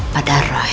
pada roy dan clara